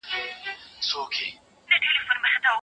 سپما به ستا مالي قدرت زیات کړي.